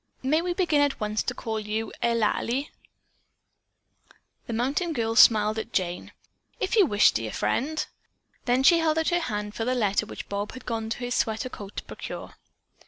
May we begin at once to call you Eulalie?" The mountain girl smiled at Jane. "If you wish, dear friend." She then held out her hand for the letter which Bob had gone to his sweater coat to procure.